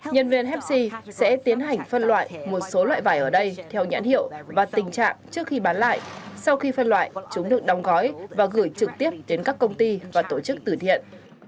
nhân viên hepsi sẽ tiến hành phân loại một số loại vải ở đây theo nhãn hiệu và tình trạng trước khi bán lại sau khi phân loại chúng được đóng gói và gửi trực tiếp đến các công ty và tổ chức tử thiện